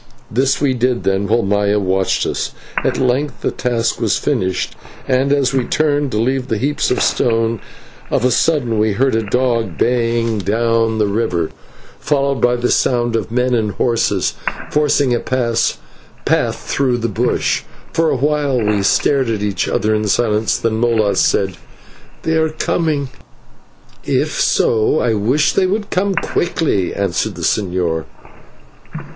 This we did, then, while Maya watched us. At length the task was finished, and as we turned to leave the heaps of stones, of a sudden we heard a dog baying down by the river, followed by a sound of men and horses forcing a path through the bush. For a while we stared at each other in silence, then Molas said, "They are coming." "If so I wish they would come quickly," answered the señor.